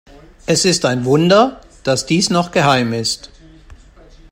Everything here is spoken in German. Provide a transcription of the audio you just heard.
Es ist ein Wunder, dass dies noch geheim ist.